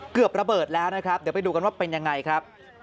เกือบระเบิดแล้วนะครับเดี๋ยวไปดูกันว่าเป็นยังไงครับ